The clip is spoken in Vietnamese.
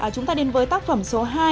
chúng ta đến với tác phẩm số hai